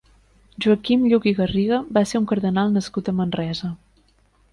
Joaquim Lluch i Garriga va ser un cardenal nascut a Manresa.